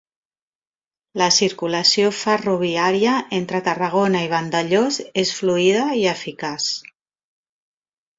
La circulació ferroviària entre Tarragona i Vandellòs és fluida i eficaç